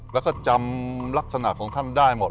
แล้วก็จำลักษณะของท่านได้หมด